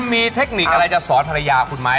มีเทคนิคอะไรจะสอนภรรยาคุณไหม